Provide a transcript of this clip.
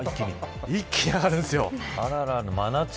一気に上がるんですよ。